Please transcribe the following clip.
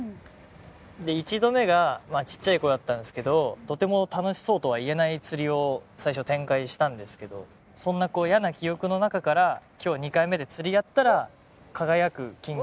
１度目がちっちゃい頃だったんですけどとても楽しそうとは言えない釣りを最初展開したんですけどそんな嫌な記憶の中から今日２回目で釣りやったら輝く金魚。